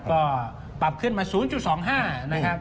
ก็ปรับขึ้นมา๐๒๕นะครับ